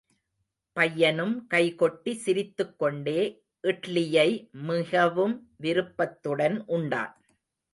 பையனும் கை கொட்டி சிரித்துக் கொண்டே, இட்லியை மிகவும் விருப்பத்துடன் உண்டான்.